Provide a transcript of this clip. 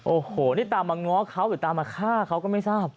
โอ้โหนี่ตามมาง้อเขาหรือตามมาฆ่าเขาก็ไม่ทราบ